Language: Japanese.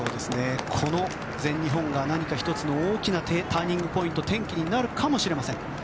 この全日本が何か１つの大きなターニングポイント転機になるかもしれません。